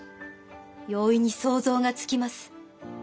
容易に想像がつきます。